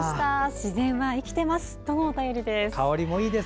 自然は生きてますとのお便りです。